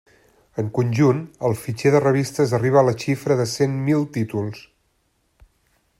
En conjunt, el fitxer de revistes arriba a la xifra de set mil títols.